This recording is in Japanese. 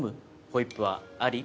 ホイップはあり？